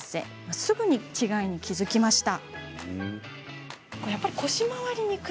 すぐに違いに気付きました。